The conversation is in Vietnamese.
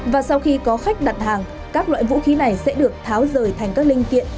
và sau khi có khách đặt hàng các loại vũ khí này sẽ được tháo rời thành các linh kiện